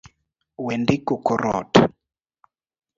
Wendiko kor ot